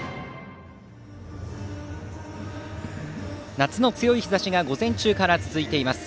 夏の強い日ざしが午前中から続いています。